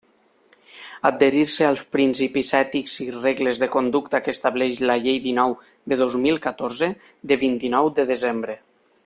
Adherir-se als principis ètics i regles de conducta que estableix la Llei dinou de dos mil catorze, de vint-i-nou de desembre.